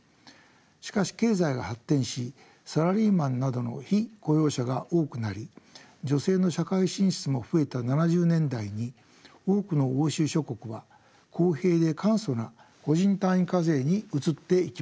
しかし経済が発展しサラリーマンなどの被雇用者が多くなり女性の社会進出も増えた７０年代に多くの欧州諸国は公平で簡素な個人単位課税に移っていきました。